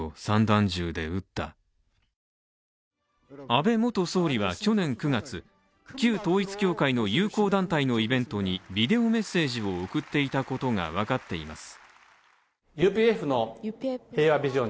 安倍元総理は去年９月、旧統一教会の友好団体のイベントにビデオメッセージを送っていたことが分かっています。